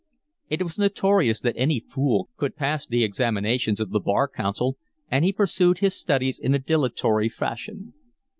It was notorious that any fool could pass the examinations of the Bar Council, and he pursued his studies in a dilatory fashion.